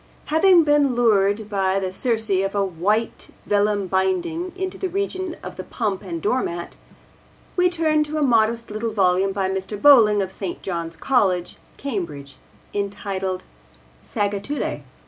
Having been lured by the Circe of a white vellum binding into the region of the pump and doormat, we turn to a modest little volume by Mr. Bowling of St. John's College, Cambridge, entitled Sagittulae.